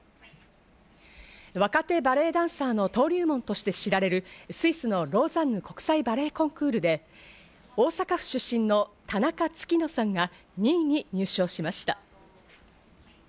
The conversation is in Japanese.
若手バレエダンサーの登竜門として知られるスイスのローザンヌ国際バレエコンクールで、大阪府出身の田中月乃さんが２位に入賞しました。